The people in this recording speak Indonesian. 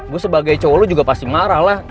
gue sebagai cowo lo juga pasti marah lah